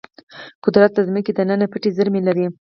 قدرت د ځمکې دننه پټې زیرمې لري.